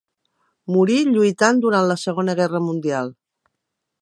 Morí lluitant durant la Segona Guerra Mundial.